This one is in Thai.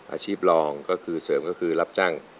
อาชีพรองก็คือเสริมก็คือรับจ้าง